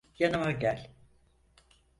Yanıma gel.